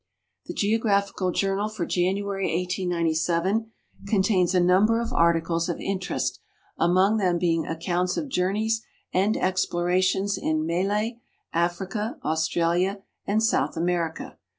The Geographical Journal for January, 1897, contains a number of articles of interest, among them being accounts of journeys and explorations in Malay, Africa, Australia, and South America.